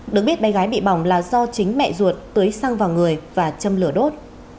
được biết bé gái bị bỏng là do chính mẹ ruột tưới xăng vào người và châm lửa đốt